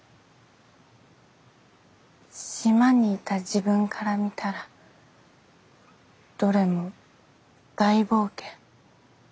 島にいた自分から見たらどれも大冒険。